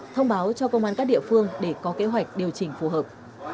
thông báo cho công an các địa phương để có kế hoạch điều chỉnh phù hợp